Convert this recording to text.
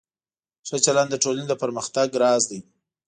ښه چلند د ټولنې د پرمختګ راز دی.